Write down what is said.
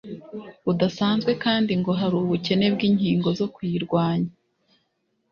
budasanzwe kandi ngo hari ubukene bw'inkingo zo kuyirwanya.